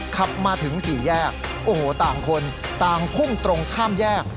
ขับมาถึงสี่แยกโอ้โหต่างคนต่างพุ่งตรงข้ามแยก